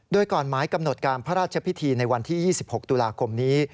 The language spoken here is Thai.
โดยก่อนหมายกำหนดการพระราชพิธีในวันที่๒๖ตุลาคมนี้